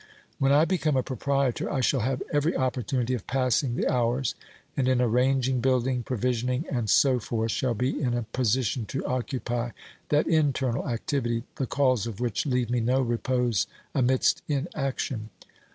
When I become a I tr V I OBERMANN 277 proprietor, I shall have every opportunity of passing the hours, and in arranging, building, provisioning, and so forth, shall be in a position to occupy that internal activity, the calls of which leave me no repose amidst inaction.